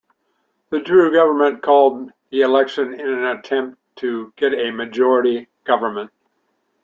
The Drew government called the election in an attempt to get a majority government.